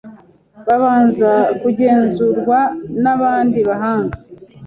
bubanza kugenzurwa n'abandi bahanga